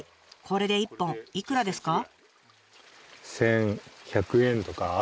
これで１本いくらですか？